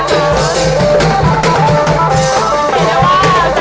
นี่ก็ว่าจะเจออะไรนะคะ